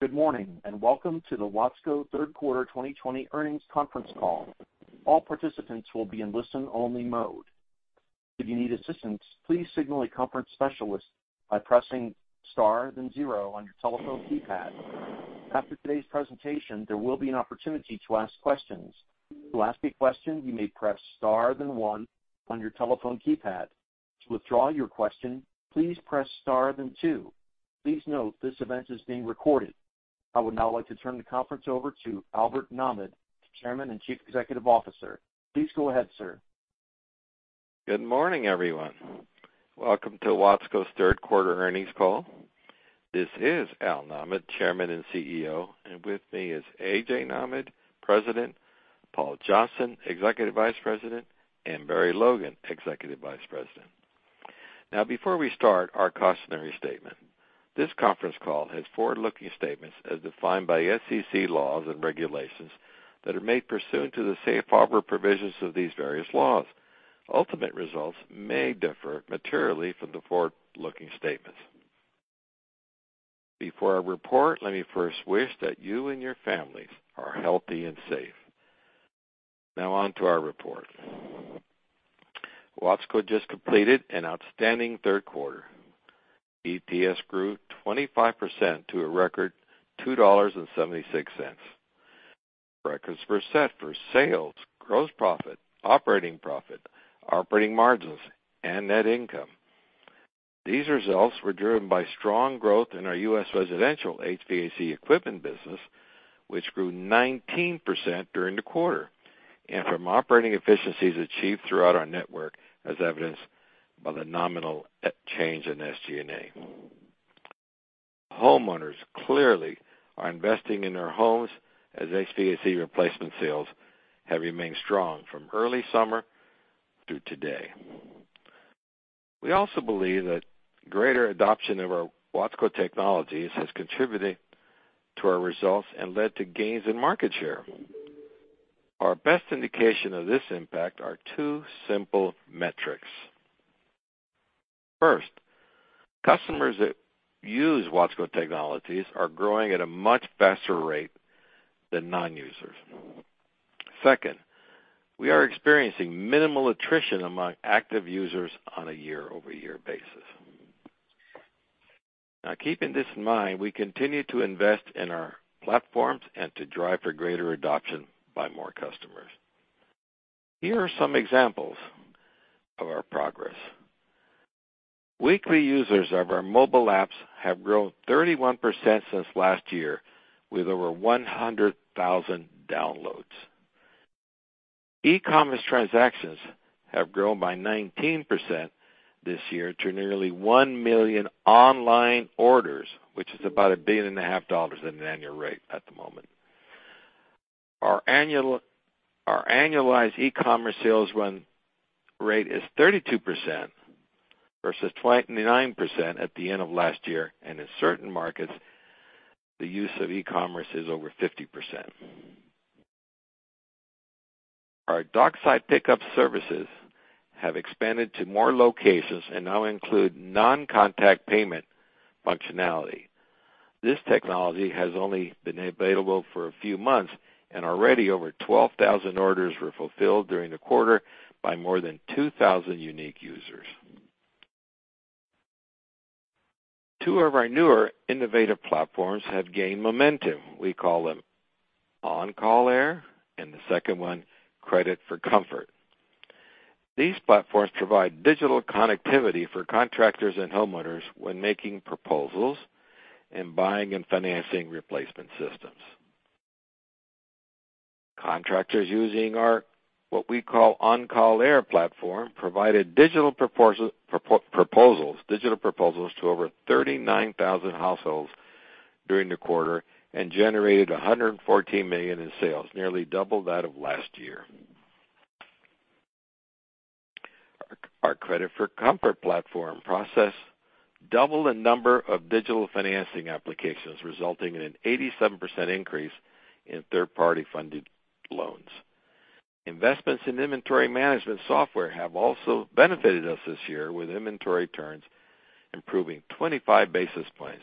Good morning, and welcome to the Watsco Third Quarter 2020 Earnings Conference Call. I would now like to turn the conference over to Albert Nahmad, Chairman and Chief Executive Officer. Please go ahead, sir. Good morning, everyone. Welcome to Watsco's Third Quarter Earnings Call. This is Al Nahmad, Chairman and CEO, and with me is A.J. Nahmad, President, Paul Johnston, Executive Vice President, and Barry Logan, Executive Vice President. Before we start, our cautionary statement. This conference call has forward-looking statements as defined by SEC laws and regulations that are made pursuant to the safe harbor provisions of these various laws. Ultimate results may differ materially from the forward-looking statements. Before I report, let me first wish that you and your families are healthy and safe. On to our report. Watsco just completed an outstanding third quarter. EPS grew 25% to a record $2.76. Records were set for sales, gross profit, operating profit, operating margins, and net income. These results were driven by strong growth in our U.S. residential HVAC equipment business, which grew 19% during the quarter, and from operating efficiencies achieved throughout our network as evidenced by the nominal change in SG&A. Homeowners clearly are investing in their homes as HVAC replacement sales have remained strong from early summer through today. We also believe that greater adoption of our Watsco technologies has contributed to our results and led to gains in market share. Our best indication of this impact are two simple metrics. First, customers that use Watsco technologies are growing at a much faster rate than non-users. Second, we are experiencing minimal attrition among active users on a year-over-year basis. Now, keeping this in mind, we continue to invest in our platforms and to drive for greater adoption by more customers. Here are some examples of our progress. Weekly users of our mobile apps have grown 31% since last year with over 100,000 downloads. E-commerce transactions have grown by 19% this year to nearly 1 million online orders, which is about $1.5 billion at an annual rate at the moment. Our annualized e-commerce sales run rate is 32% versus 29% at the end of last year. In certain markets, the use of e-commerce is over 50%. Our dockside pickup services have expanded to more locations and now include non-contact payment functionality. This technology has only been available for a few months, and already over 12,000 orders were fulfilled during the quarter by more than 2,000 unique users. Two of our newer innovative platforms have gained momentum. We call them OnCall Air and the second one, Credit for Comfort. These platforms provide digital connectivity for contractors and homeowners when making proposals and buying and financing replacement systems. Contractors using our, what we call OnCall Air platform, provided digital proposals to over 39,000 households during the quarter and generated $114 million in sales, nearly double that of last year. Our Credit for Comfort platform processed double the number of digital financing applications, resulting in an 87% increase in third-party funded loans. Investments in inventory management software have also benefited us this year with inventory turns improving 25 basis points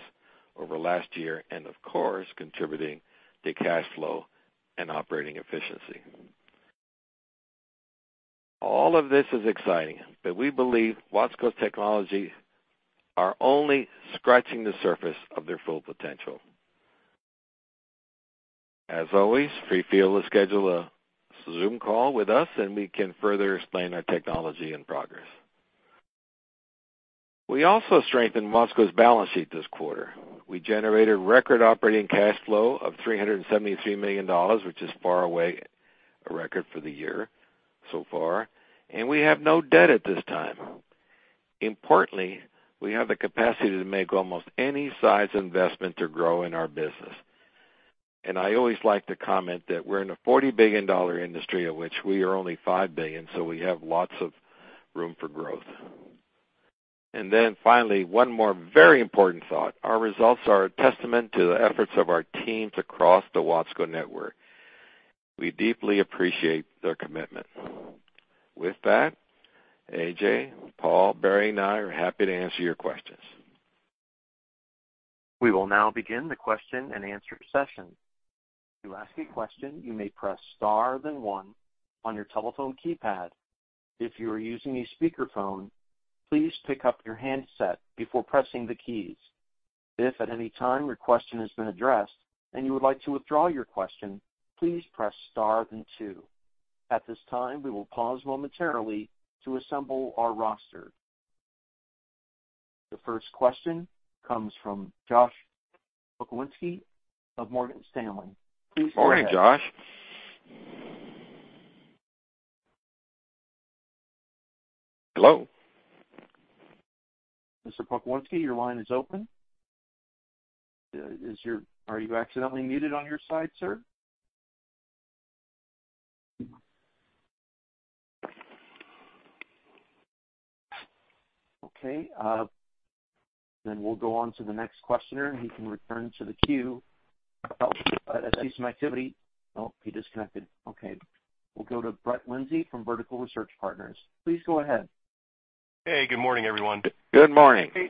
over last year and of course, contributing to cash flow and operating efficiency. All of this is exciting, but we believe Watsco's technology are only scratching the surface of their full potential. As always, feel free to schedule a Zoom call with us, and we can further explain our technology and progress. We also strengthened Watsco's balance sheet this quarter. We generated record operating cash flow of $373 million, which is far away a record for the year so far, and we have no debt at this time. Importantly, we have the capacity to make almost any size investment to grow in our business. I always like to comment that we're in a $40 billion industry, of which we are only $5 billion, so we have lots of room for growth. Finally, one more very important thought. Our results are a testament to the efforts of our teams across the Watsco network. We deeply appreciate their commitment. With that, A.J., Paul, Barry and I are happy to answer your questions. We will now begin the question-and-answer session. The first question comes from Josh Pokrzywinski of Morgan Stanley. Please go ahead. Morning, Josh. Hello. Mr. Pokrzywinski, your line is open. Are you accidentally muted on your side, sir? Okay. We'll go on to the next questioner, and he can return to the queue. Oh, I see some activity. Oh, he disconnected. Okay. We'll go to Brett Linzey from Vertical Research Partners. Please go ahead. Hey, good morning, everyone. Good morning. Hey.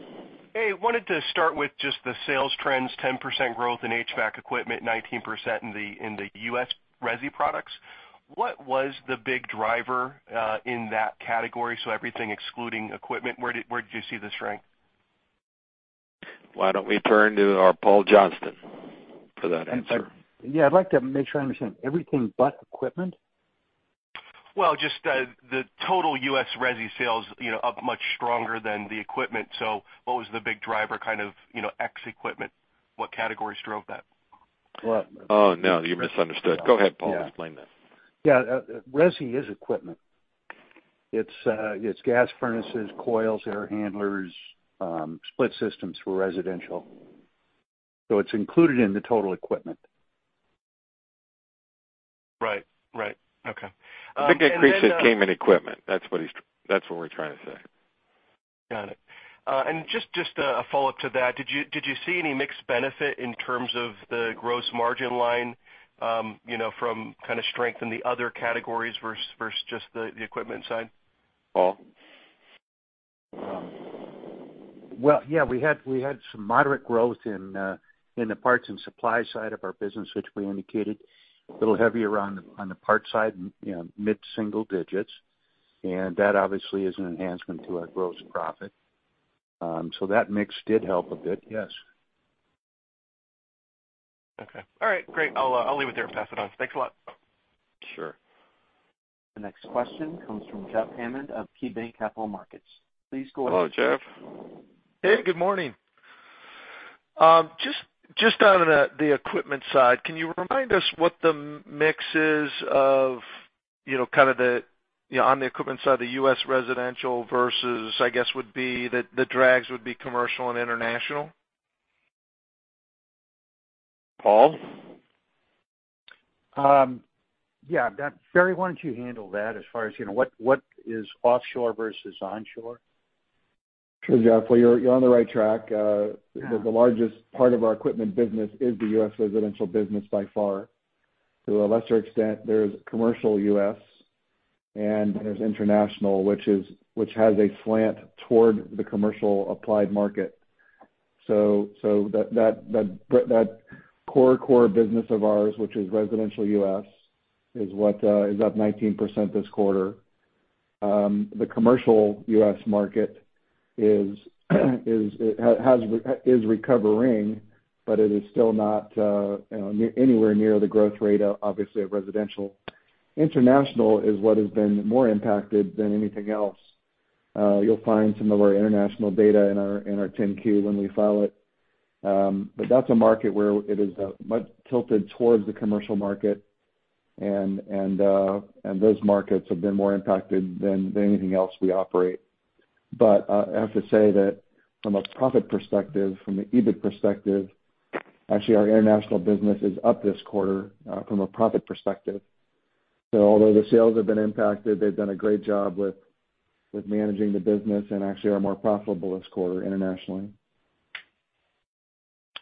Wanted to start with just the sales trends, 10% growth in HVAC equipment, 19% in the U.S. resi products. What was the big driver in that category? Everything excluding equipment, where did you see the strength? Why don't we turn to our Paul Johnston for that answer? Yeah, I'd like to make sure I understand. Everything but equipment? Just, the total U.S. resi sales, you know, up much stronger than the equipment. What was the big driver kind of, you know, ex equipment? What categories drove that? Oh, no, you misunderstood. Go ahead, Paul. Explain that. Yeah. Resi is equipment. It's, it's gas furnaces, coils, air handlers, split systems for residential. It's included in the total equipment. Right. Right. Okay. I think increase that came in equipment. That's what we're trying to say. Got it. Just a follow-up to that. Did you see any mix benefit in terms of the gross margin line, you know, from kinda strength in the other categories versus just the equipment side? Paul? Well, yeah, we had some moderate growth in the parts and supply side of our business, which we indicated a little heavier on the parts side, you know, mid-single digits. That obviously is an enhancement to our gross profit. That mix did help a bit. Yes. Okay. All right. Great. I'll leave it there and pass it on. Thanks a lot. Sure. The next question comes from Jeff Hammond of KeyBanc Capital Markets. Please go ahead. Hello, Jeff. Hey, good morning. Just on the equipment side, can you remind us what the mix is of, you know, kind of the on the equipment side of the U.S. residential versus, I guess, would be the drags would be commercial and international? Paul? Yeah. Barry, why don't you handle that as far as you know, what is offshore versus onshore? Sure, Jeff. You're on the right track. The largest part of our equipment business is the U.S. residential business by far. To a lesser extent, there's commercial U.S. and there's international, which has a slant toward the commercial applied market. That core business of ours, which is residential U.S., is what is up 19% this quarter. The commercial U.S. market is recovering, but it is still not, you know, anywhere near the growth rate obviously of residential. International is what has been more impacted than anything else. You'll find some of our international data in our 10-Q when we file it. That's a market where it is much tilted towards the commercial market and, and those markets have been more impacted than anything else we operate. I have to say that from a profit perspective, from an EBIT perspective, actually our international business is up this quarter from a profit perspective. Although the sales have been impacted, they've done a great job with managing the business and actually are more profitable this quarter internationally.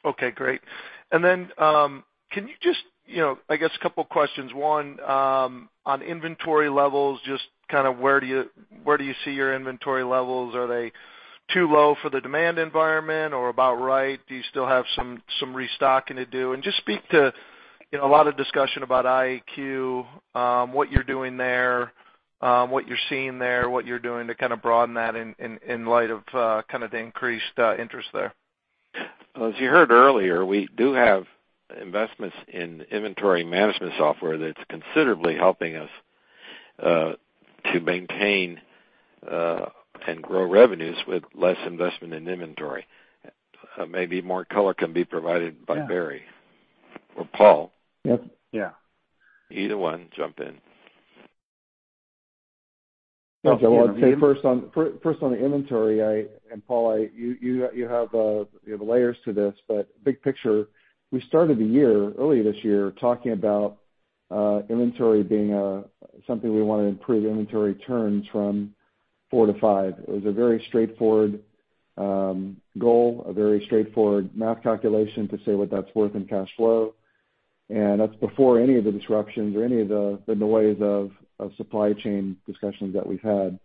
Okay, great. Can you just, you know, I guess a couple questions. One, on inventory levels, just kind of where do you see your inventory levels? Are they too low for the demand environment or about right? Do you still have some restocking to do? Just speak to, you know, a lot of discussion about IAQ, what you're doing there, what you're seeing there, what you're doing to kind of broaden that in light of the increased interest there. As you heard earlier, we do have investments in inventory management software that's considerably helping us to maintain and grow revenues with less investment in inventory. Maybe more color can be provided by Barry or Paul. Yep. Yeah. Either one, jump in. I'd say first on, first on the inventory, Paul, you have layers to this, but big picture, we started the year, early this year, talking about inventory being something we wanna improve inventory turns from four to five. It was a very straightforward goal, a very straightforward math calculation to say what that's worth in cash flow. That's before any of the disruptions or any of the noise of supply chain discussions that we've had.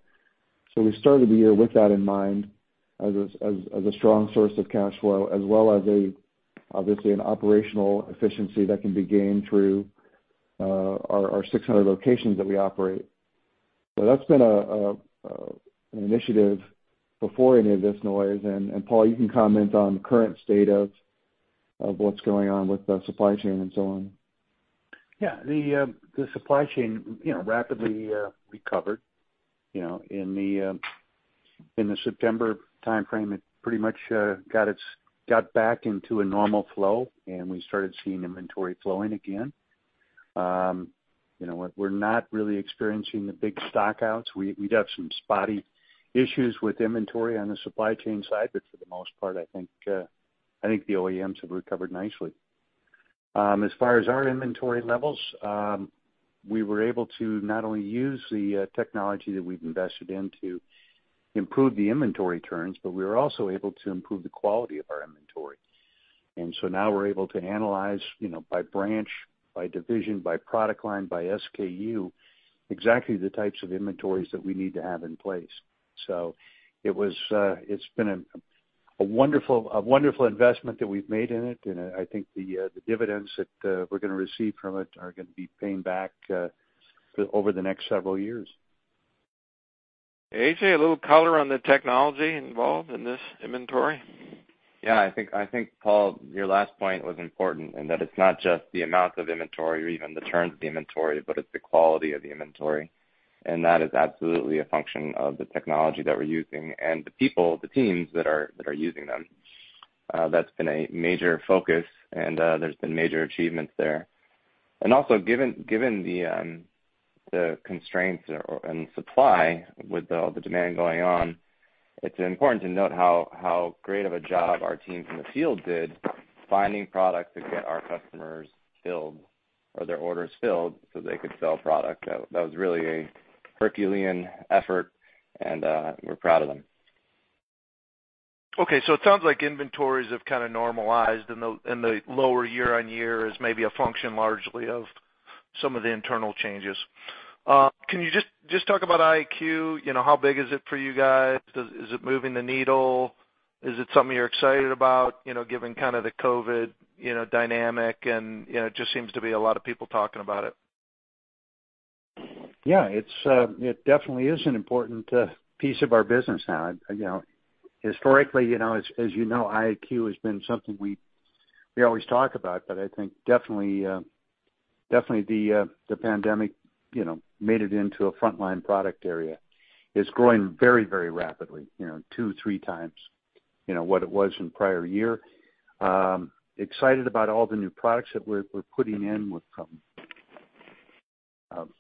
We started the year with that in mind as a strong source of cash flow, as well as a, obviously, an operational efficiency that can be gained through our 600 locations that we operate. That's been an initiative before any of this noise. Paul, you can comment on the current state of what's going on with the supply chain and so on. Yeah. The supply chain, you know, rapidly recovered. You know, in the September timeframe, it pretty much got back into a normal flow, and we started seeing inventory flowing again. You know, we're not really experiencing the big stock-outs. We'd have some spotty issues with inventory on the supply chain side, but for the most part, I think the OEMs have recovered nicely. As far as our inventory levels, we were able to not only use the technology that we've invested in to improve the inventory turns, but we were also able to improve the quality of our inventory. Now we're able to analyze, you know, by branch, by division, by product line, by SKU, exactly the types of inventories that we need to have in place. It's been a wonderful investment that we've made in it. I think the dividends that we're gonna receive from it are gonna be paying back over the next several years. A.J., a little color on the technology involved in this inventory? I think, Paul, your last point was important in that it's not just the amount of inventory or even the turns of the inventory, but it's the quality of the inventory. That is absolutely a function of the technology that we're using and the people, the teams that are using them. That's been a major focus and there's been major achievements there. Also, given the constraints and supply with all the demand going on, it's important to note how great of a job our teams in the field did finding products to get our customers filled or their orders filled so they could sell product. That was really a Herculean effort and we're proud of them. It sounds like inventories have kind of normalized and the lower year-on-year is maybe a function largely of some of the internal changes. Can you just talk about IAQ? You know, how big is it for you guys? Is it moving the needle? Is it something you're excited about, you know, given kind of the COVID, you know, dynamic and, you know, it just seems to be a lot of people talking about it. It definitely is an important piece of our business now. You know, historically, you know, as you know, IAQ has been something we always talk about, but I think definitely the pandemic, you know, made it into a frontline product area. It's growing very rapidly, you know, two, three times, you know, what it was in prior year. Excited about all the new products that we're putting in with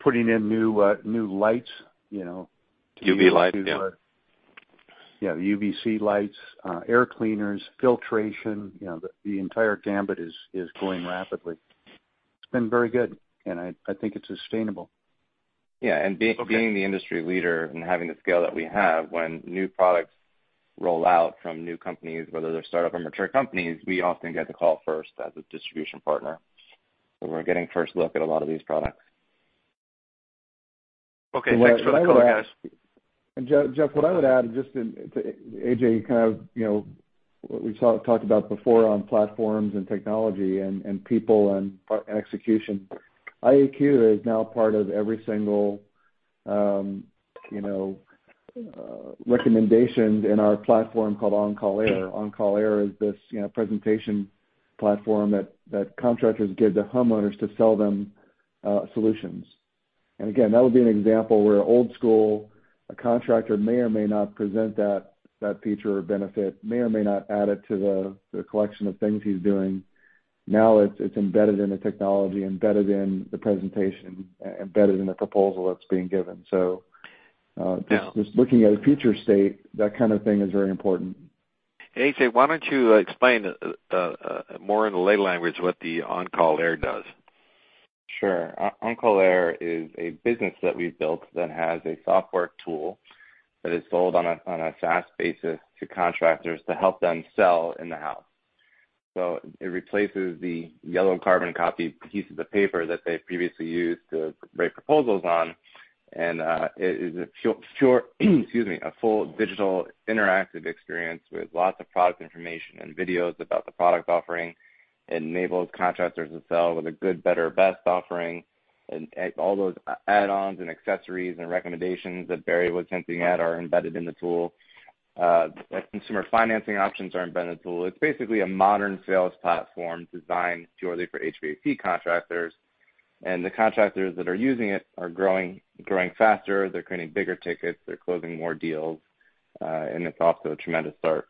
putting in new lights, you know. UV light, yeah. Yeah. UVC lights, air cleaners, filtration, you know, the entire gambit is growing rapidly. It's been very good, and I think it's sustainable. Yeah... Okay... Being the industry leader and having the scale that we have, when new products roll out from new companies, whether they're startup or mature companies, we often get the call first as a distribution partner. We're getting first look at a lot of these products. Okay. Thanks for the color, guys. Jeff, what I would add just in to A.J., you know, what we talked about before on platforms and technology and people and execution. IAQ is now part of every single, you know, recommendation in our platform called OnCall Air. OnCall Air is this, you know, presentation platform that contractors give to homeowners to sell them solutions. Again, that would be an example where old school, a contractor may or may not present that feature or benefit, may or may not add it to the collection of things he's doing. Now it's embedded in the technology, embedded in the presentation, embedded in the proposal that's being given. Yeah Just looking at a future state, that kind of thing is very important. A.J., why don't you explain more in lay language what the OnCall Air does? Sure. OnCall Air is a business that we've built that has a software tool that is sold on a SaaS basis to contractors to help them sell in the house. It replaces the yellow carbon copy pieces of paper that they previously used to write proposals on. It is a full digital interactive experience with lots of product information and videos about the product offering. Enables contractors to sell with a good, better, best offering and all those add-ons and accessories and recommendations that Barry was hinting at are embedded in the tool. Consumer financing options are embedded in the tool. It's basically a modern sales platform designed purely for HVAC contractors, and the contractors that are using it are growing faster, they're creating bigger tickets, they're closing more deals, and it's off to a tremendous start.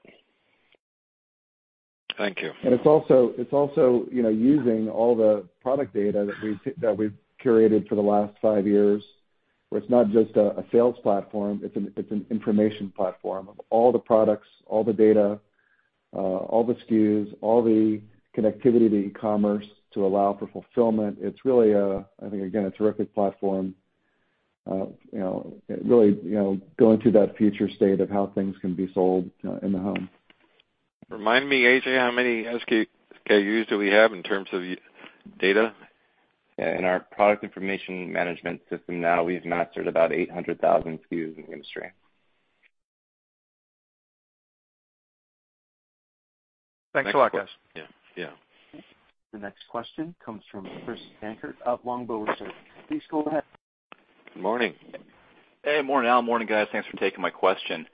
Thank you. It's also, you know, using all the product data that we've curated for the last five years, where it's not just a sales platform, it's an information platform of all the products, all the data, all the SKUs, all the connectivity to e-commerce to allow for fulfillment. It's really a, I think, again, a terrific platform. You know, really, you know, going to that future state of how things can be sold, in the home. Remind me, A.J, how many SKUs do we have in terms of data? Yeah, in our product information management system now, we've mastered about 800,000 SKUs in the industry. Thanks a lot, guys. Yeah. Yeah. The next question comes from Chris Dankert of Longbow Research. Please go ahead. Good morning. Hey, morning, Al. Morning, guys. Thanks for taking my question.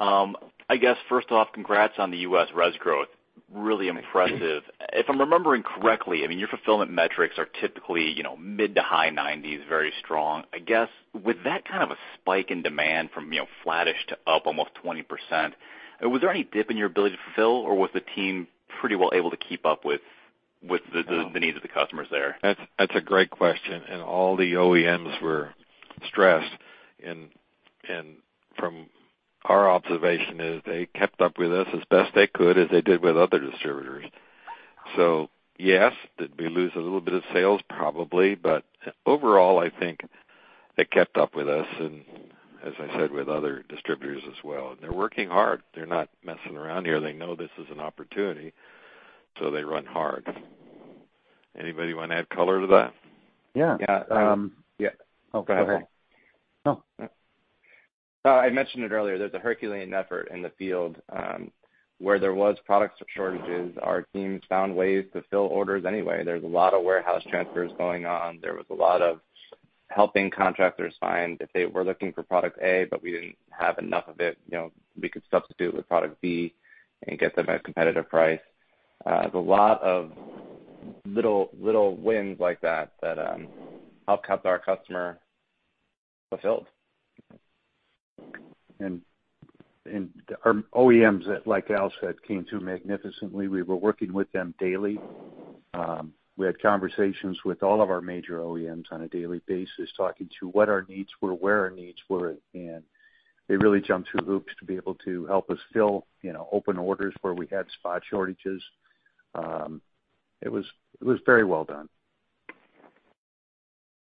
I guess first off, congrats on the U.S. res growth. Really impressive. If I'm remembering correctly, I mean, your fulfillment metrics are typically, you know, mid to high 90s, very strong. I guess with that kind of a spike in demand from, you know, flattish to up almost 20%, was there any dip in your ability to fill, or was the team pretty well able to keep up with the needs of the customers there? That's a great question, and all the OEMs were stressed. From our observation is they kept up with us as best they could, as they did with other distributors. Yes, did we lose a little bit of sales? Probably. Overall, I think they kept up with us and as I said, with other distributors as well. They're working hard. They're not messing around here. They know this is an opportunity, so they run hard. Anybody wanna add color to that? Yeah. Yeah. Yeah. Oh, go ahead. I mentioned it earlier, there's a Herculean effort in the field, where there was product shortages, our teams found ways to fill orders anyway. There's a lot of warehouse transfers going on. There was a lot of helping contractors find if they were looking for product A, but we didn't have enough of it, you know, we could substitute with product B and get them a competitive price. There's a lot of little wins like that helped kept our customer fulfilled. Our OEMs, like Al said, came through magnificently. We were working with them daily. We had conversations with all of our major OEMs on a daily basis, talking to what our needs were, where our needs were, and they really jumped through hoops to be able to help us fill, you know, open orders where we had spot shortages. It was very well done.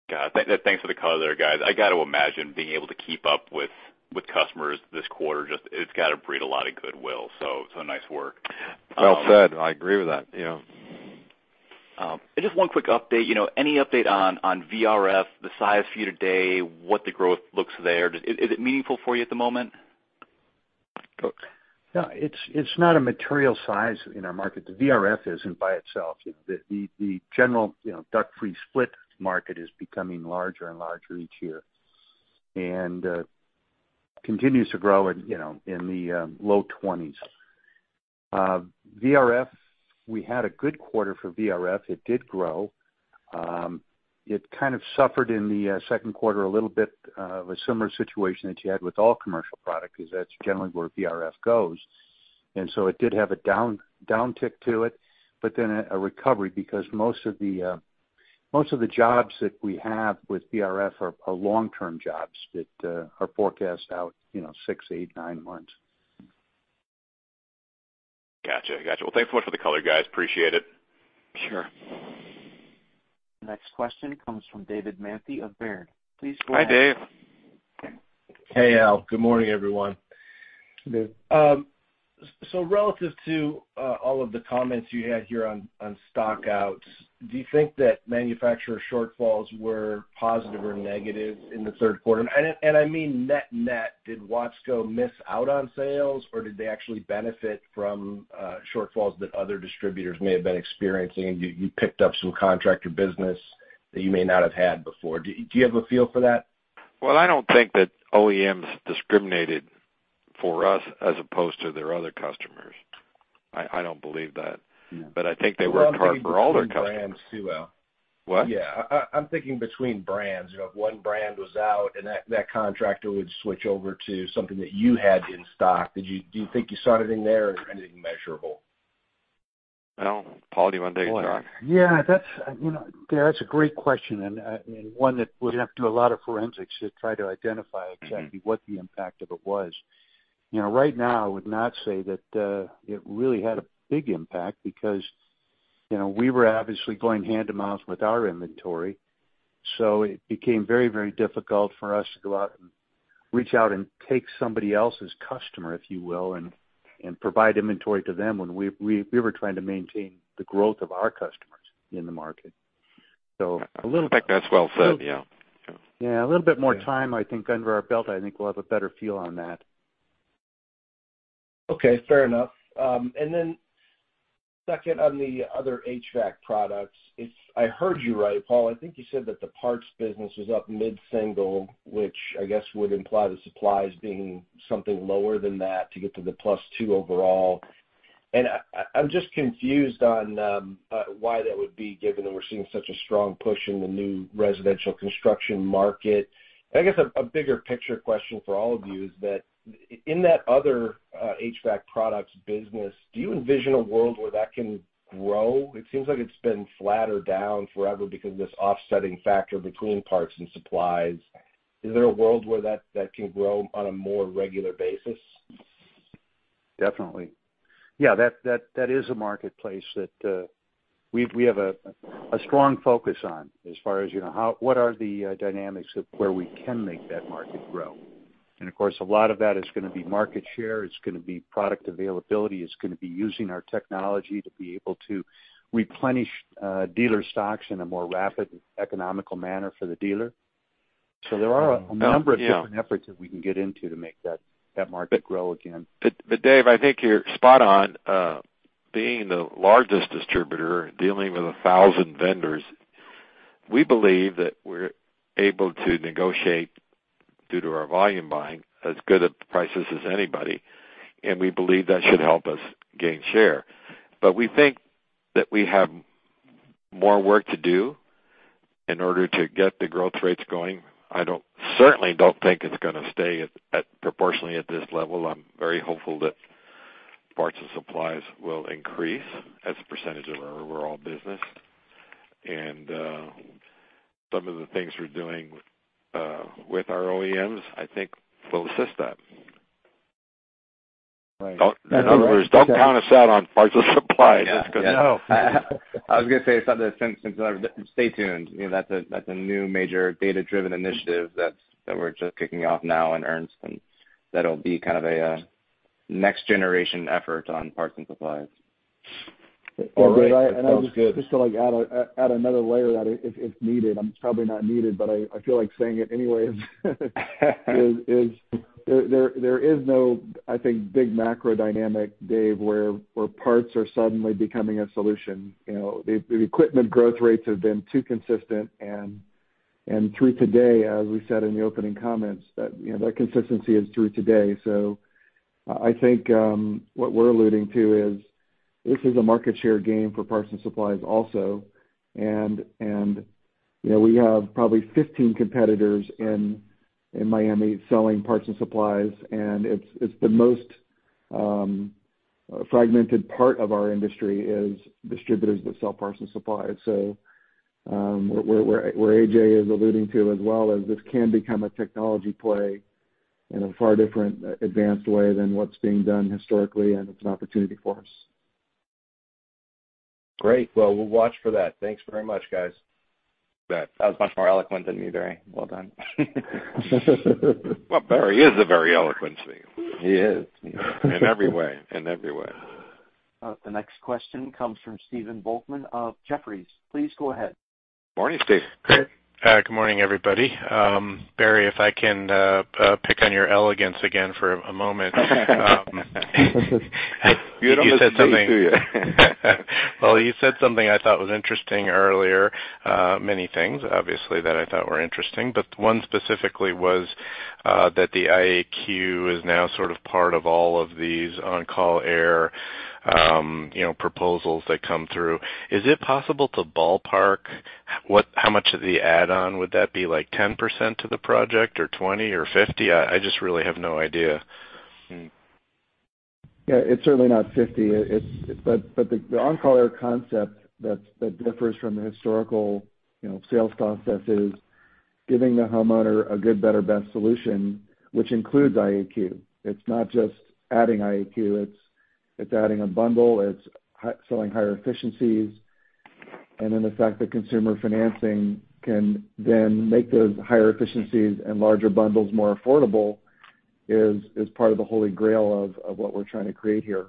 Thanks for the color there, guys. I got to imagine being able to keep up with customers this quarter it's gotta breed a lot of goodwill. so nice work. Well said. I agree with that, you know. Just one quick update. You know, any update on VRF, the size for you today, what the growth looks there? Is it meaningful for you at the moment? Yeah, it's not a material size in our market. The VRF isn't by itself. You know, the general, you know, duct-free split market is becoming larger and larger each year and continues to grow in, you know, in the low 20s percent. VRF, we had a good quarter for VRF. It did grow. It kind of suffered in the second quarter, a little bit of a similar situation that you had with all commercial product, 'cause that's generally where VRF goes. It did have a down tick to it, a recovery because most of the jobs that we have with VRF are long-term jobs that are forecast out, you know, six, eight, nine months. Gotcha. Gotcha. Well, thanks so much for the color, guys. Appreciate it. Sure. Next question comes from David Manthey of Baird. Please go ahead. Hi, Dave. Hey, Al. Good morning, everyone. Relative to all of the comments you had here on stockouts, do you think that manufacturer shortfalls were positive or negative in the third quarter? I mean net-net, did Watsco miss out on sales, or did they actually benefit from shortfalls that other distributors may have been experiencing and you picked up some contractor business that you may not have had before? Do you have a feel for that? Well, I don't think that OEMs discriminated for us as opposed to their other customers. I don't believe that. Yeah. I think they worked hard for all their customers. Well, I'm thinking between brands too, Al. What? Yeah. I'm thinking between brands. You know, if one brand was out and that contractor would switch over to something that you had in stock. Do you think you saw it in there or anything measurable? I don't. Paul, do you wanna take a shot? Yeah, that's, you know, that's a great question and one that would have to do a lot of forensics to try to identify exactly what the impact of it was. You know, right now, I would not say that it really had a big impact because, you know, we were obviously going hand in mouth with our inventory, so it became very, very difficult for us to go out and reach out and take somebody else's customer, if you will, and provide inventory to them when we were trying to maintain the growth of our customers in the market. I think that's well said, yeah. Yeah, a little bit more time, I think, under our belt, I think we'll have a better feel on that. Okay, fair enough. Then second on the other HVAC products, if I heard you right, Paul, I think you said that the parts business was up mid-single, which I guess would imply the supplies being something lower than that to get to the +2 overall. I'm just confused on why that would be, given that we're seeing such a strong push in the new residential construction market. I guess a bigger picture question for all of you is that in that other HVAC products business, do you envision a world where that can grow? It seems like it's been flat or down forever because of this offsetting factor between parts and supplies. Is there a world where that can grow on a more regular basis? Definitely. Yeah, that is a marketplace that we have a strong focus on as far as, you know, what are the dynamics of where we can make that market grow. Of course, a lot of that is gonna be market share, it's gonna be product availability, it's gonna be using our technology to be able to replenish dealer stocks in a more rapid economical manner for the dealer. There are a number of different efforts that we can get into to make that market grow again. Dave, I think you're spot on. Being the largest distributor dealing with a 1,000 vendors, we believe that we're able to negotiate, due to our volume buying, as good of prices as anybody, and we believe that should help us gain share. We think that we have more work to do in order to get the growth rates going. Certainly don't think it's gonna stay at proportionally at this level. I'm very hopeful that parts and supplies will increase as a percentage of our overall business. Some of the things we're doing, with our OEMs, I think will assist that. Right. In other words, don't count us out on parts and supplies. Yeah. No. I was gonna say something. Stay tuned. You know, that's a new major data-driven initiative that we're just kicking off now in earnest, and that'll be kind of a next generation effort on parts and supplies. All right. Sounds good. I just to like add another layer that if needed, it's probably not needed, but I feel like saying it anyway is there is no, I think, big macro dynamic, Dave, where parts are suddenly becoming a solution. You know, the equipment growth rates have been too consistent and through today, as we said in the opening comments, that, you know, that consistency is through today. I think what we're alluding to is this is a market share game for parts and supplies also. And, you know, we have probably 15 competitors in Miami selling parts and supplies, and it's the most fragmented part of our industry is distributors that sell parts and supplies. Where A.J is alluding to as well, is this can become a technology play in a far different advanced way than what's being done historically, and it's an opportunity for us. Great. Well, we'll watch for that. Thanks very much, guys. That was much more eloquent than me, Barry. Well done. Well, Barry is a very eloquent speaker. He is. In every way. The next question comes from Stephen Volkmann of Jefferies. Please go ahead. Morning, Steve. Good morning, everybody. Barry, if I can pick on your elegance again for a moment. You don't miss a beat, do you? Well, you said something I thought was interesting earlier. Many things obviously that I thought were interesting, but one specifically was that the IAQ is now sort of part of all of these OnCall Air, you know, proposals that come through. Is it possible to ballpark how much of the add-on? Would that be like 10% of the project or 20% or 50%? I just really have no idea. Yeah, it's certainly not 50%. The OnCall Air concept that differs from the historical, you know, sales process is giving the homeowner a good, better, best solution, which includes IAQ. It's not just adding IAQ. It's adding a bundle. It's selling higher efficiencies. The fact that consumer financing can then make those higher efficiencies and larger bundles more affordable is part of the holy grail of what we're trying to create here.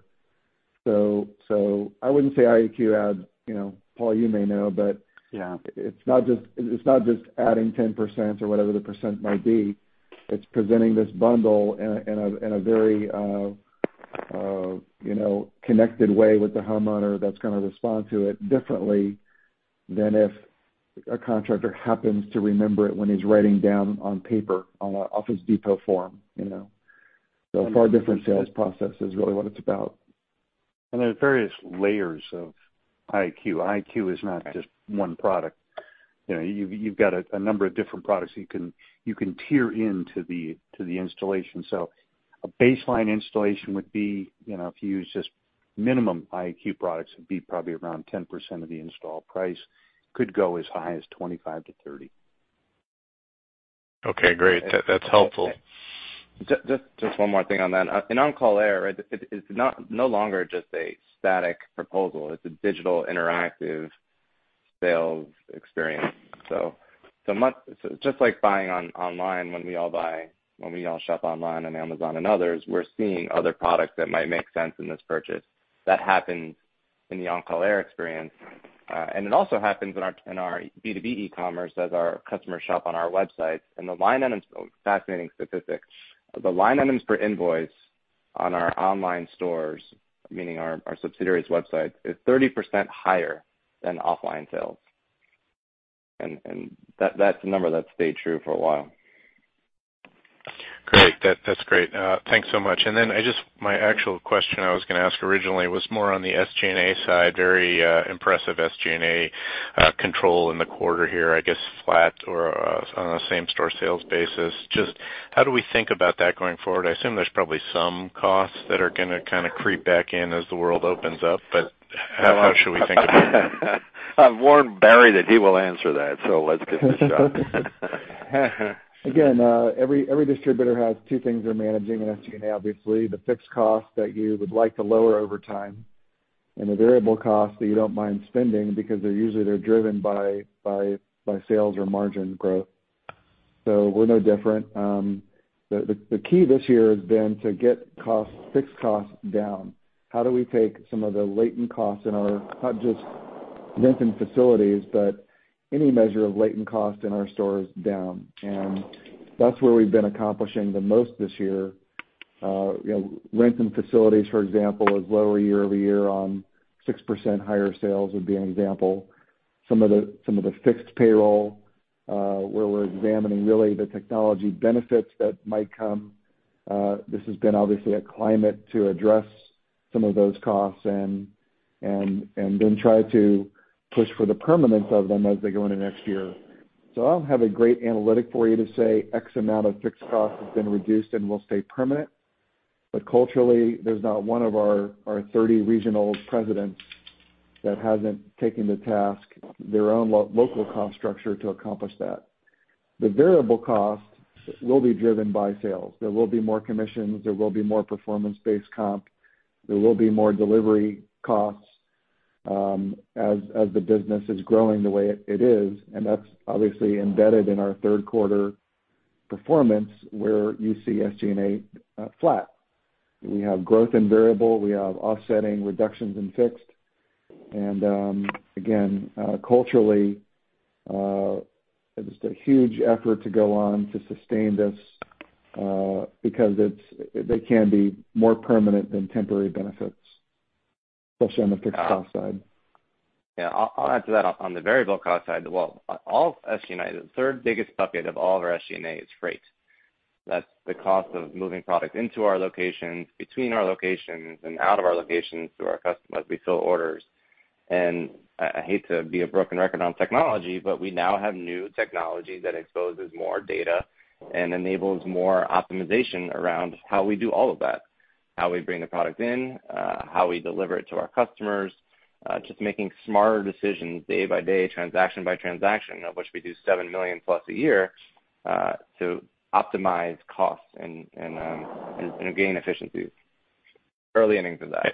I wouldn't say IAQ adds, you know. Paul, you may know. Yeah. It's not just adding 10% or whatever the percent might be. It's presenting this bundle in a, in a, in a very, you know, connected way with the homeowner that's gonna respond to it differently than if a contractor happens to remember it when he's writing down on paper on a Office Depot form, you know? A far different sales process is really what it's about. There are various layers of IAQ. IAQ is not just one product. You know, you've got a number of different products you can, you can tier into the, to the installation. A baseline installation would be, you know, if you use just minimum IAQ products, it'd be probably around 10% of the install price. Could go as high as 25%-30%. Okay, great. That's helpful. Just one more thing on that. In OnCall Air, right, no longer just a static proposal. It's a digital interactive sales experience. Just like buying online when we all buy, when we all shop online on Amazon and others, we're seeing other products that might make sense in this purchase. That happens in the OnCall Air experience. It also happens in our, in our B2B e-commerce as our customers shop on our websites. Fascinating statistic. The line items per invoice on our online stores, meaning our subsidiaries websites, is 30% higher than offline sales. That's a number that's stayed true for a while. Great. That's great. Thanks so much. My actual question I was gonna ask originally was more on the SG&A side. Very impressive SG&A control in the quarter here, I guess flat or on a same store sales basis. Just how do we think about that going forward? I assume there's probably some costs that are gonna kinda creep back in as the world opens up. How should we think about that? I've warned Barry that he will answer that, so let's give it a shot. Again, every distributor has two things they're managing in SG&A obviously, the fixed cost that you would like to lower over time. The variable costs that you don't mind spending because they're usually they're driven by sales or margin growth. We're no different. The key this year has been to get costs, fixed costs down. How do we take some of the latent costs in our, not just rent and facilities, but any measure of latent cost in our stores down? That's where we've been accomplishing the most this year. You know, rent and facilities, for example, was lower year-over-year on 6% higher sales would be an example. Some of the fixed payroll, where we're examining really the technology benefits that might come. This has been obviously a climate to address some of those costs and then try to push for the permanence of them as they go into next year. I don't have a great analytic for you to say X amount of fixed costs have been reduced and will stay permanent. Culturally, there's not one of our 30 regional presidents that hasn't taken to task their own local cost structure to accomplish that. The variable costs will be driven by sales. There will be more commissions, there will be more performance-based comp. There will be more delivery costs, as the business is growing the way it is, and that's obviously embedded in our third quarter performance where you see SG&A flat. We have growth in variable, we have offsetting reductions in fixed. Again, culturally, it's a huge effort to go on to sustain this, because they can be more permanent than temporary benefits, especially on the fixed cost side. Yeah, I'll add to that. On the variable cost side, well, SG&A, the third-biggest bucket of all of our SG&A is freight. That's the cost of moving product into our locations, between our locations, and out of our locations to our customers. We fill orders. I hate to be a broken record on technology, but we now have new technology that exposes more data and enables more optimization around how we do all of that, how we bring the product in, how we deliver it to our customers, just making smarter decisions day by day, transaction by transaction, of which we do 7 million plus a year, to optimize costs and gain efficiencies. Early innings of that.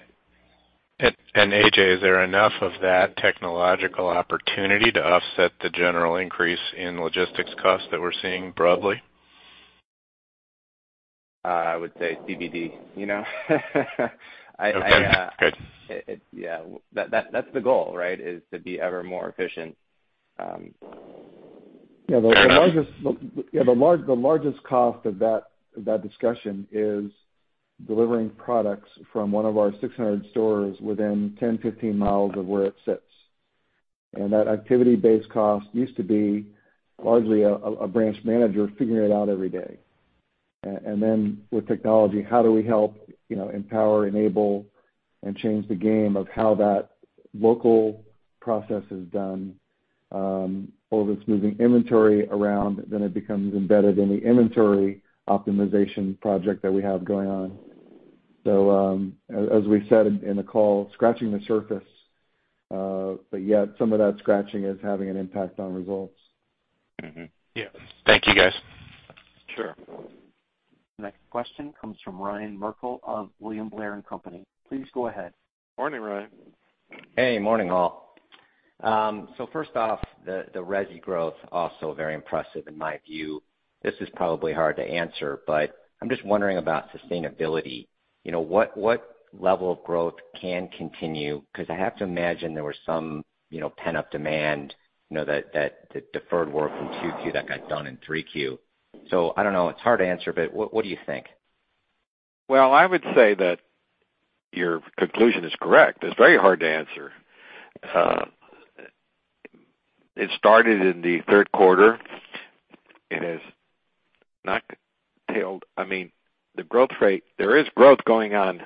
A.J., is there enough of that technological opportunity to offset the general increase in logistics costs that we're seeing broadly? I would say TBD, you know? Okay, good. Yeah, that's the goal, right? Is to be ever more efficient. Yeah, the largest cost of that, of that discussion is delivering products from one of our 600 stores within 10, 15 miles of where it sits. That activity-based cost used to be largely a branch manager figuring it out every day. Then with technology, how do we help, you know, empower, enable, and change the game of how that local process is done, all this moving inventory around, then it becomes embedded in the inventory optimization project that we have going on. As we said in the call, scratching the surface, yet some of that scratching is having an impact on results. Yeah. Thank you, guys. Sure. Next question comes from Ryan Merkel of William Blair & Company. Please go ahead. Morning, Ryan. Hey, morning, Al. First off, the resi growth also very impressive in my view. This is probably hard to answer, but I'm just wondering about sustainability. You know, what level of growth can continue? I have to imagine there was some, you know, pent-up demand, you know, that deferred work from 2Q that got done in 3Q. I don't know, it's hard to answer, but what do you think? Well, I would say that your conclusion is correct. It's very hard to answer. It started in the third quarter. It has not tailed. I mean, the growth rate, there is growth going on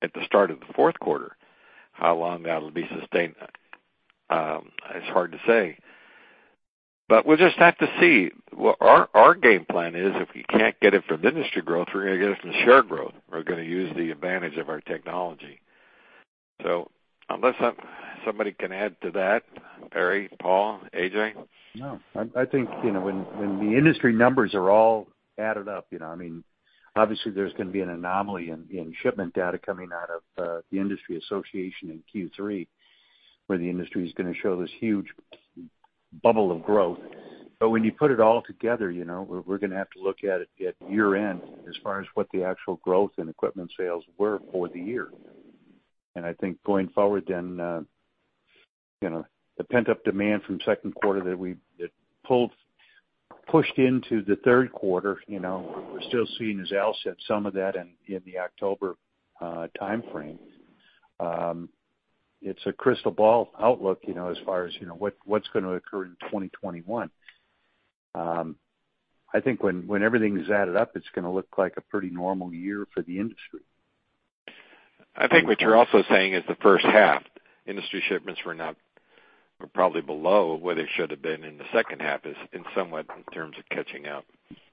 at the start of the fourth quarter. How long that'll be sustained is hard to say. We'll just have to see. Well, our game plan is if we can't get it from industry growth, we're gonna get it from share growth. We're gonna use the advantage of our technology. Unless somebody can add to that, Barry, Paul, A.J.? I think, you know, when the industry numbers are all added up, you know, I mean, obviously there's gonna be an anomaly in shipment data coming out of the industry association in Q3, where the industry is gonna show this huge bubble of growth. When you put it all together, you know, we're gonna have to look at it at year-end as far as what the actual growth in equipment sales were for the year. I think going forward then, you know, the pent-up demand from second quarter that pushed into the third quarter, you know, we're still seeing, as Al said, some of that in the October timeframe. It's a crystal ball outlook, you know, as far as, you know, what's gonna occur in 2021. I think when everything is added up, it's gonna look like a pretty normal year for the industry. I think what you're also saying is the first half industry shipments were probably below where they should have been in the second half is in somewhat in terms of catching up.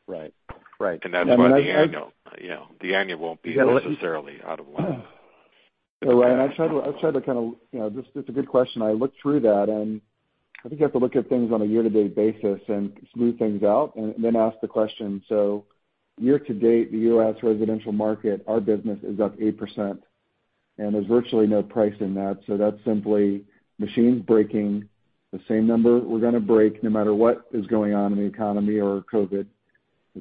Right. Right. That's why the annual, you know, the annual won't be necessarily out of line. Ryan, I tried to kind of You know, this is a good question. I looked through that. I think you have to look at things on a year-to-date basis and smooth things out and then ask the question. Year-to-date, the U.S. residential market, our business is up 8% and there's virtually no price in that. That's simply machines breaking the same number we're going to break no matter what is going on in the economy or COVID.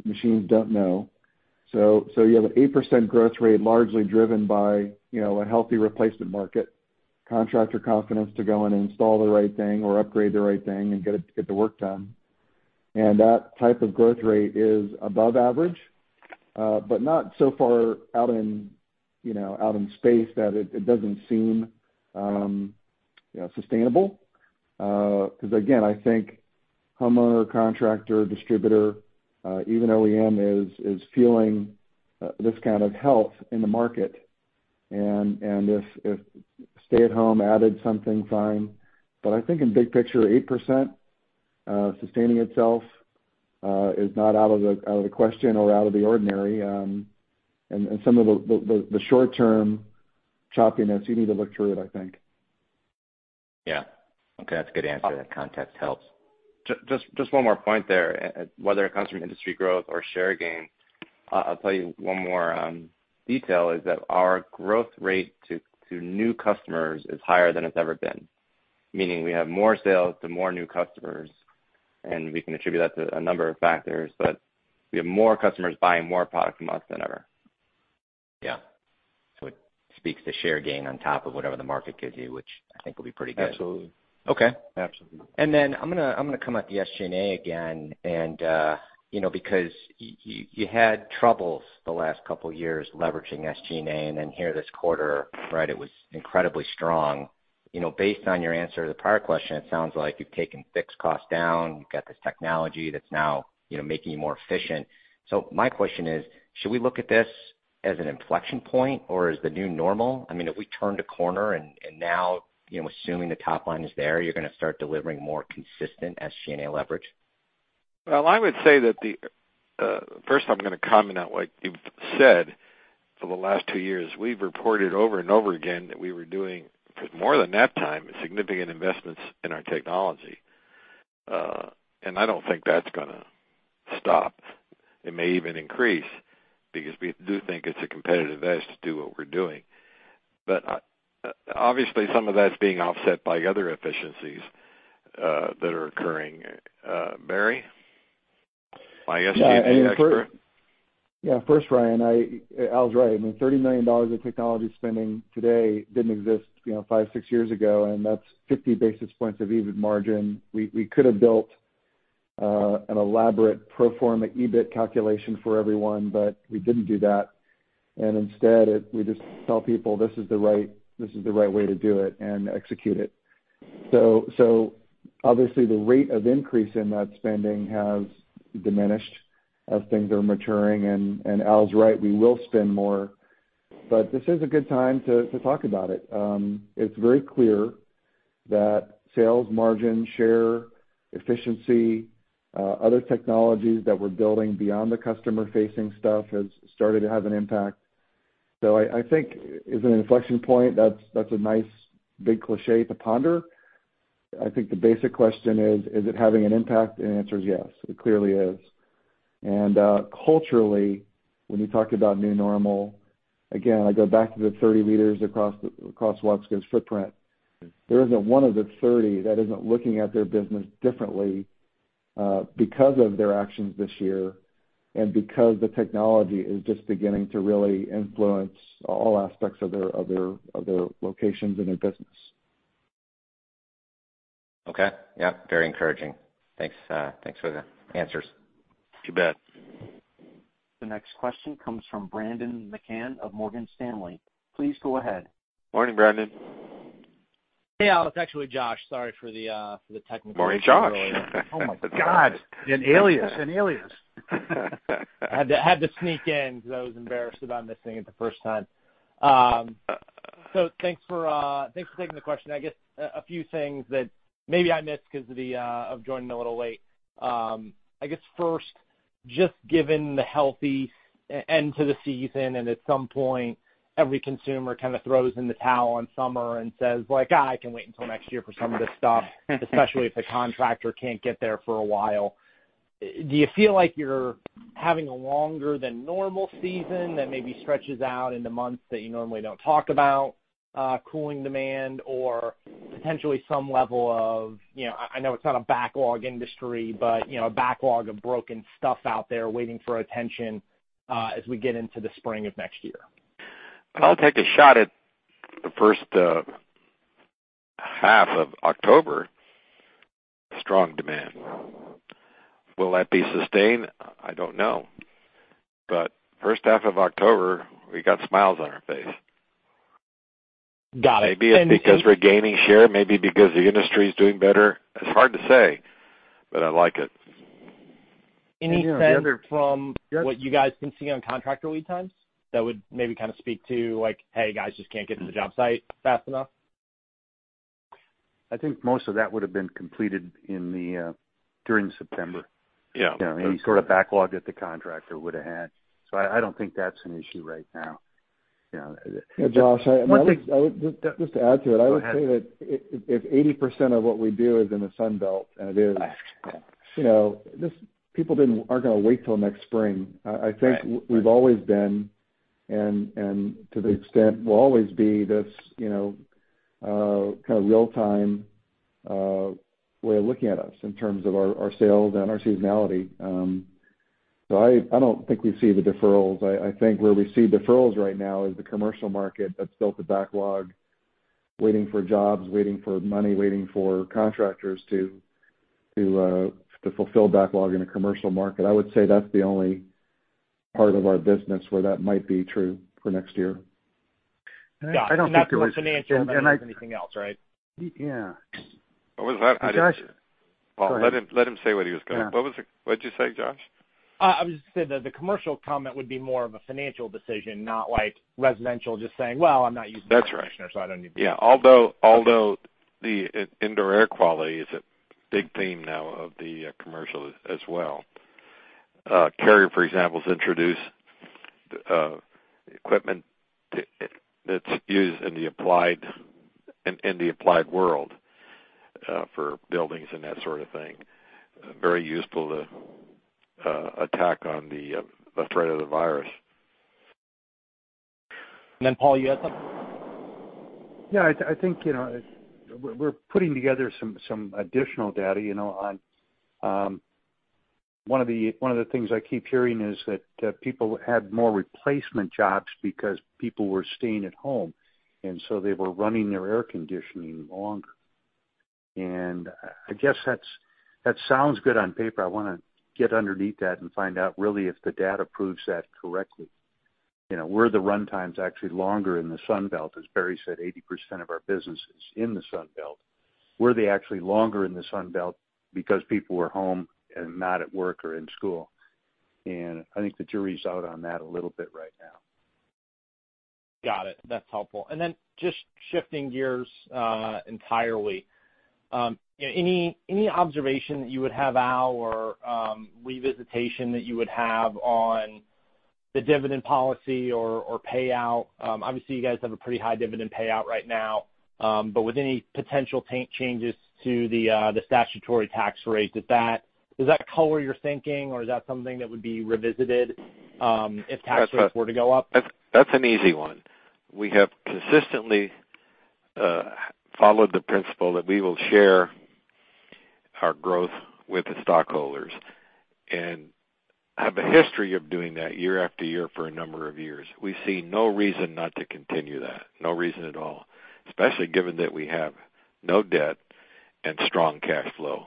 Machines don't know. You have an 8% growth rate largely driven by, you know, a healthy replacement market, contractor confidence to go in and install the right thing or upgrade the right thing and get the work done. That type of growth rate is above average, but not so far out in, you know, out in space that it doesn't seem, you know, sustainable. 'Cause again, I think homeowner, contractor, distributor, even OEM is feeling this kind of health in the market. If stay at home added something, fine. I think in big picture, 8%, sustaining itself, is not out of the question or out of the ordinary. Some of the short term choppiness, you need to look through it, I think. Yeah. Okay. That's a good answer. That context helps. Just one more point there. Whether it comes from industry growth or share gain, I'll tell you one more detail, is that our growth rate to new customers is higher than it's ever been. Meaning we have more sales to more new customers, we can attribute that to a number of factors. We have more customers buying more product from us than ever. Yeah. It speaks to share gain on top of whatever the market gives you, which I think will be pretty good. Absolutely. Okay. Absolutely. I'm gonna come at the SG&A again, you know, because you had troubles the last couple years leveraging SG&A, then here this quarter, right, it was incredibly strong. You know, based on your answer to the prior question, it sounds like you've taken fixed costs down. You've got this technology that's now, you know, making you more efficient. My question is, should we look at this as an inflection point or as the new normal? I mean, have we turned a corner, and now, you know, assuming the top line is there, you're gonna start delivering more consistent SG&A leverage? Well, I would say that first I'm going to comment on what you've said for the last two years. We've reported over and over again that we were doing, for more than that time, significant investments in our technology. I don't think that's going to stop. It may even increase because we do think it's a competitive edge to do what we're doing. Obviously some of that's being offset by other efficiencies that are occurring. Barry, my SG&A extra? Yeah. First, Ryan, Al's right. I mean, $30 million of technology spending today didn't exist, you know, five, six years ago, and that's 50 basis points of EBIT margin. We could have built an elaborate pro forma EBIT calculation for everyone. We didn't do that. Instead, we just tell people, this is the right way to do it, and execute it. Obviously the rate of increase in that spending has diminished as things are maturing. Al's right, we will spend more. This is a good time to talk about it. It's very clear that sales margin, share, efficiency, other technologies that we're building beyond the customer-facing stuff has started to have an impact. I think is it an inflection point? That's a nice big cliché to ponder. I think the basic question is it having an impact? The answer is yes, it clearly is. Culturally, when you talk about new normal, again, I go back to the 30 leaders across Watsco's footprint. There isn't one of the 30 that isn't looking at their business differently because of their actions this year and because the technology is just beginning to really influence all aspects of their locations and their business. Okay. Yeah, very encouraging. Thanks, thanks for the answers. You bet. The next question comes from Brendan McCann of Morgan Stanley. Please go ahead. Morning, Brendan. Hey, Al. It's actually Josh. Sorry for the... Morning, Josh. Oh my God. An alias. An alias. I had to sneak in because I was embarrassed about missing it the first time. Thanks for taking the question. I guess a few things that maybe I missed 'cause of the of joining a little late. I guess first, just given the healthy end to the season, at some point every consumer kind of throws in the towel on summer and says like, I can wait until next year for some of this stuff, especially if the contractor can't get there for a while. Do you feel like you're having a longer than normal season that maybe stretches out into months that you normally don't talk about, cooling demand or potentially some level of, you know, I know it's not a backlog industry, but you know, a backlog of broken stuff out there waiting for attention, as we get into the spring of next year? I'll take a shot at the first half of October, strong demand. Will that be sustained? I don't know. First half of October, we got smiles on our face. Got it. Maybe it's because we're gaining share, maybe because the industry is doing better. It's hard to say, but I like it. Any sense from what you guys been seeing on contractor lead times that would maybe kind of speak to like, hey guys, just can't get to the job site fast enough? I think most of that would have been completed in the during September. Yeah. You know, any sort of backlog that the contractor would have had. I don't think that's an issue right now. Yeah, Josh, I would just to add to it, I would say that if 80% of what we do is in the Sun Belt, and it is... Right.... You know, people aren't gonna wait till next spring. Right. I think we've always been, and to the extent will always be this, you know, kind of real time way of looking at us in terms of our sales and our seasonality. I don't think we see the deferrals. I think where we see deferrals right now is the commercial market that's built a backlog waiting for jobs, waiting for money, waiting for contractors to fulfill backlog in a commercial market. I would say that's the only part of our business where that might be true for next year. Got it. I don't think it was- That's more financial than anything else, right? Yeah. What was that? I didn't... Josh? Paul, let him say what he was gonna. Yeah. What'd you say, Josh? I was just saying that the commercial comment would be more of a financial decision, not like residential just saying, well, I'm not using my air conditioner, so I don't need to. That's right. Yeah. Although the indoor air quality is a big theme now of the commercial as well. Carrier, for example, has introduced equipment. It's used in the applied world for buildings and that sort of thing. Very useful to attack on the threat of the virus. Paul, you had something? Yeah, I think, you know, we're putting together some additional data, you know, on. One of the, one of the things I keep hearing is that people had more replacement jobs because people were staying at home, so they were running their air conditioning longer. I guess that sounds good on paper. I wanna get underneath that and find out really if the data proves that correctly. You know, were the runtimes actually longer in the Sun Belt? As Barry said, 80% of our business is in the Sun Belt. Were they actually longer in the Sun Belt because people were home and not at work or in school? I think the jury's out on that a little bit right now. Got it. That's helpful. Then just shifting gears entirely, any observation that you would have, Al, or revisitation that you would have on the dividend policy or payout? Obviously you guys have a pretty high dividend payout right now, with any potential changes to the statutory tax rate, does that color your thinking, or is that something that would be revisited if taxes were to go up? That's an easy one. We have consistently followed the principle that we will share our growth with the stockholders, have a history of doing that year after year for a number of years. We see no reason not to continue that, no reason at all, especially given that we have no debt and strong cash flow.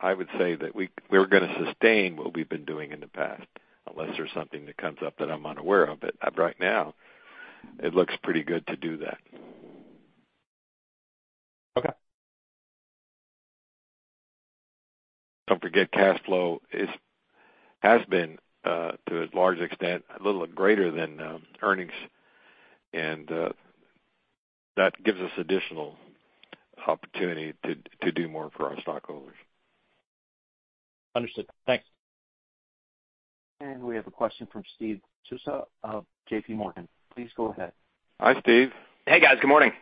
I would say that we're going to sustain what we've been doing in the past, unless there's something that comes up that I'm unaware of. Right now, it looks pretty good to do that. Okay. Don't forget, cash flow is, has been, to a large extent, a little greater than earnings, and that gives us additional opportunity to do more for our stockholders. Understood. Thanks. We have a question from Steve Tusa of JPMorgan. Please go ahead. Hi, Steve. Hey, guys. Good morning.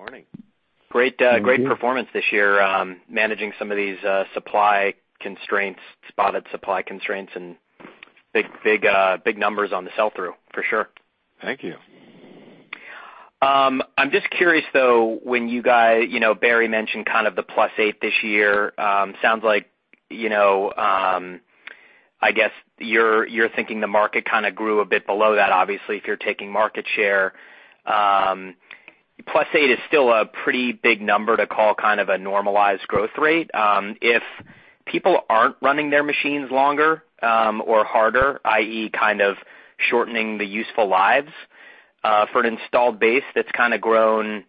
Morning. Great, great performance this year, managing some of these, supply constraints, spotted supply constraints, and big numbers on the sell-through, for sure. Thank you. I'm just curious though, when you guy You know, Barry mentioned kind of the +8 this year. Sounds like, you know, I guess you're thinking the market kind of grew a bit below that, obviously, if you're taking market share. +8 is still a pretty big number to call kind of a normalized growth rate. If people aren't running their machines longer, or harder, i.e., kind of shortening the useful lives, for an installed base that's kind of grown,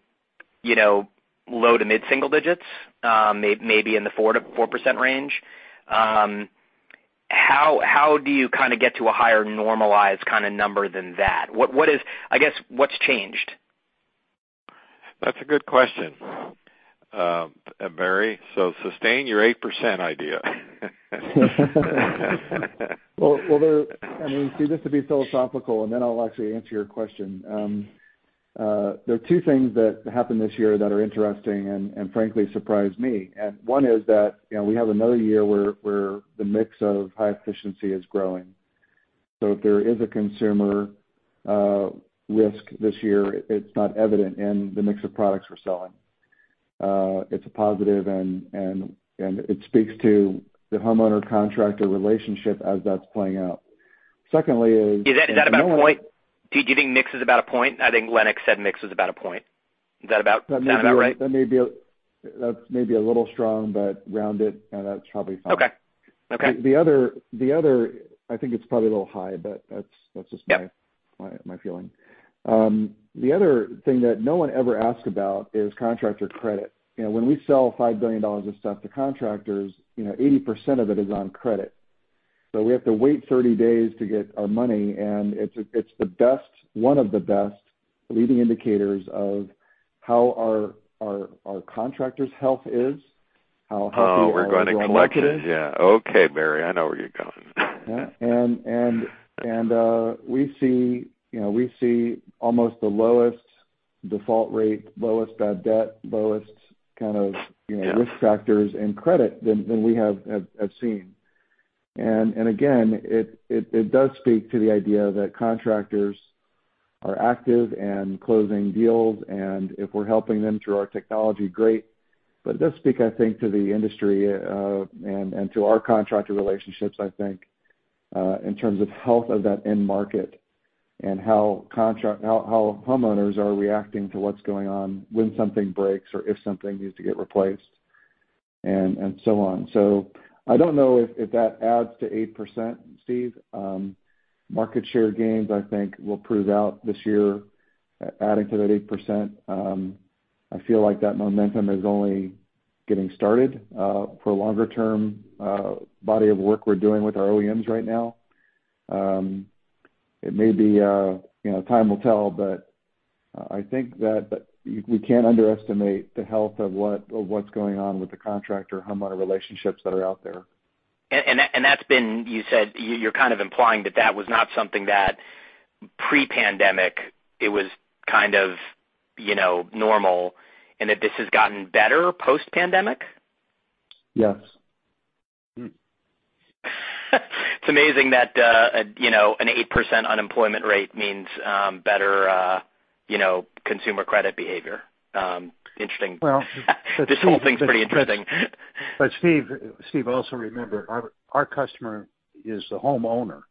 you know, low to mid-single digits, maybe in the 4%-4% range, how do you kind of get to a higher normalized kind of number than that? What is I guess, what's changed? That's a good question. Barry, sustain your 8% idea. Well, I mean, Steve, just to be philosophical, then I'll actually answer your question. There are two things that happened this year that are interesting and frankly surprised me. One is that, you know, we have another year where the mix of high efficiency is growing. If there is a consumer risk this year, it's not evident in the mix of products we're selling. It's a positive and it speaks to the homeowner-contractor relationship as that's playing out. Secondly is... Is that about a point? Do you think mix is about a point? I think Lennox said mix was about a point. Is that about right? That's maybe a little strong, but rounded, that's probably fine. Okay. Okay. The other I think it's probably a little high, but that's. Yeah My feeling. The other thing that no one ever asks about is contractor credit. You know, when we sell $5 billion of stuff to contractors, 80% of it is on credit. We have to wait 30 days to get our money, and it's the best, one of the best leading indicators of how our contractors' health is. Oh, we're gonna collect it. Yeah. Okay, Barry, I know where you're going. Yeah. We see, you know, we see almost the lowest default rate, lowest bad debt, lowest kind of... Yeah... Risk factors in credit than we have seen. Again, it does speak to the idea that contractors are active and closing deals, and if we're helping them through our technology, great. It does speak, I think, to the industry, and to our contractor relationships, I think, in terms of health of that end market and how homeowners are reacting to what's going on when something breaks or if something needs to get replaced and so on. I don't know if that adds to 8%, Steve. Market share gains, I think, will prove out this year, adding to that 8%. I feel like that momentum is only getting started for longer term body of work we're doing with our OEMs right now. It may be, you know, time will tell, but I think that you can't underestimate the health of what's going on with the contractor-homeowner relationships that are out there. That's been, you said, you're kind of implying that that was not something that pre-pandemic, it was kind of, you know, normal, and that this has gotten better post-pandemic? Yes. It's amazing that, you know, an 8% unemployment rate means better, you know, consumer credit behavior. Interesting. Well, but Steve- This whole thing's pretty interesting. Steve, also remember, our customer is the homeowner,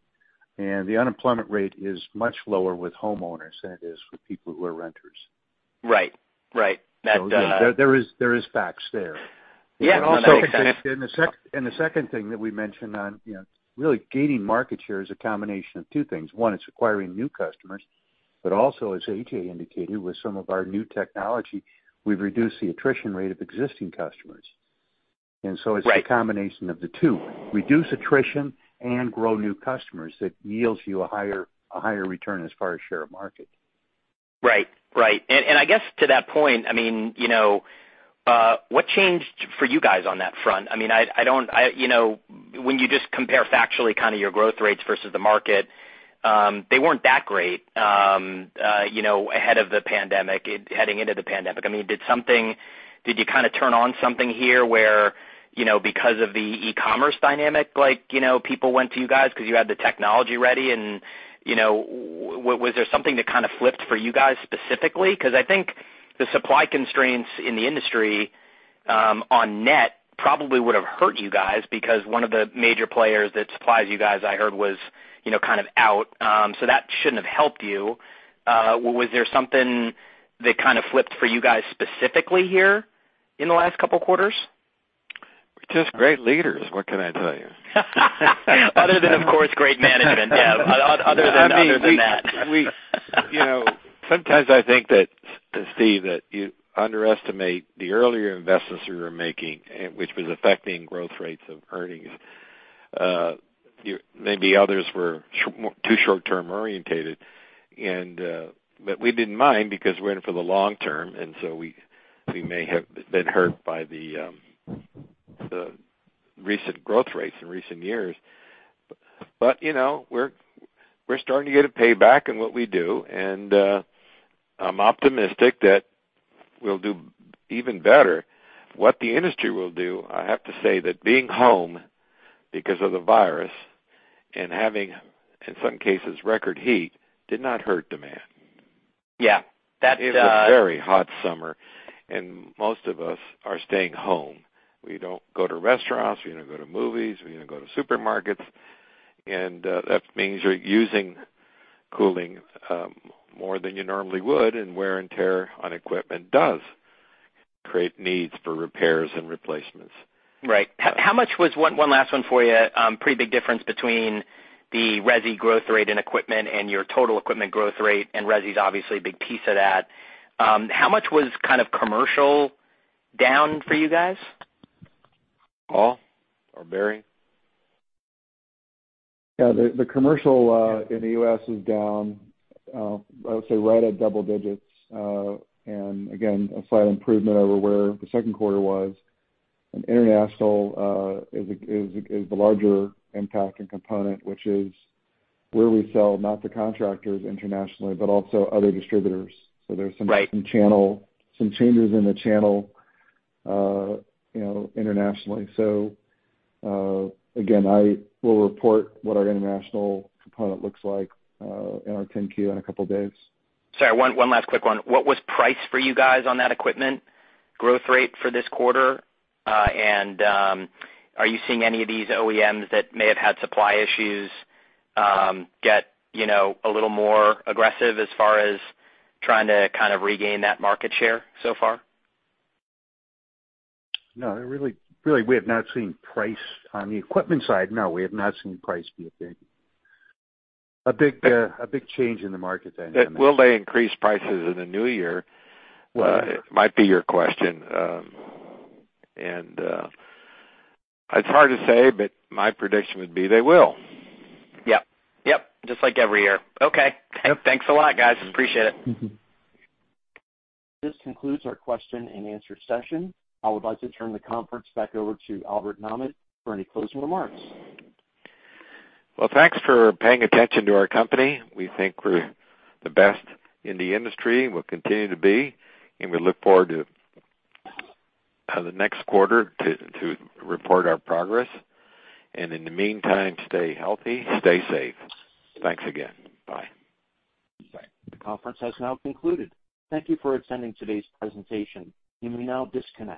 and the unemployment rate is much lower with homeowners than it is with people who are renters. Right. Right. That. There is facts there. No, that makes sense. The second thing that we mentioned on, you know, really gaining market share is a combination of two things. One, it's acquiring new customers, but also, as A.J indicated, with some of our new technology, we've reduced the attrition rate of existing customers. Right. It's a combination of the two, reduce attrition and grow new customers, that yields you a higher return as far as share of market. Right. Right. I guess to that point, I mean, you know, what changed for you guys on that front? I mean, you know, when you just compare factually kind of your growth rates versus the market, they weren't that great, you know, ahead of the pandemic, heading into the pandemic. I mean, did you kind of turn on something here where, you know, because of the e-commerce dynamic, like, you know, people went to you guys 'cause you had the technology ready and, you know, was there something that kind of flipped for you guys specifically? Because I think the supply constraints in the industry, on net probably would have hurt you guys because one of the major players that supplies you guys, I heard, was, you know, kind of out. That shouldn't have helped you. Was there something that kind of flipped for you guys specifically here in the last couple quarters? We're just great leaders, what can I tell you? Other than, of course, great management. Yeah. Other than that. We, you know, sometimes I think that, Steve, that you underestimate the earlier investments we were making and which was affecting growth rates of earnings. You maybe others were more, too short-term orientated. We didn't mind because we're in it for the long term, and so we may have been hurt by the recent growth rates in recent years. You know, we're starting to get a payback in what we do, and I'm optimistic that we'll do even better. What the industry will do, I have to say that being home because of the virus and having, in some cases, record heat, did not hurt demand. Yeah. That. It was a very hot summer, and most of us are staying home. We don't go to restaurants. We don't go to movies. We don't go to supermarkets. That means you're using cooling more than you normally would, and wear and tear on equipment does create needs for repairs and replacements. Right. How much was one last one for you. Pretty big difference between the resi growth rate in equipment and your total equipment growth rate. Resi's obviously a big piece of that. How much was kind of commercial down for you guys? Paul or Barry? Yeah. The commercial in the U.S. is down, I would say right at double digits. Again, a slight improvement over where the second quarter was. International is the larger impact and component, which is where we sell, not the contractors internationally, but also other distributors. Right. There's some channel, some changes in the channel, you know, internationally. Again, I will report what our international component looks like, in our 10-Q in a couple days. Sorry, one last quick one. What was price for you guys on that equipment growth rate for this quarter? Are you seeing any of these OEMs that may have had supply issues, get, you know, a little more aggressive as far as trying to kind of regain that market share so far? No, really, we have not seen price on the equipment side, no, we have not seen price be a big change in the market dynamics. Will they increase prices in the new year? Well- It might be your question. It's hard to say, but my prediction would be they will. Yep. Yep. Just like every year. Okay. Yep. Thanks a lot, guys. Appreciate it. This concludes our question and answer session. I would like to turn the conference back over to Albert Nahmad for any closing remarks. Well, thanks for paying attention to our company. We think we're the best in the industry and will continue to be. We look forward to the next quarter to report our progress. In the meantime, stay healthy, stay safe. Thanks again. Bye. Bye. The conference has now concluded. Thank you for attending today's presentation. You may now disconnect.